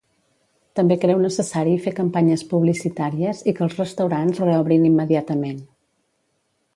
També creu necessari fer campanyes publicitàries i que els restaurants reobrin immediatament.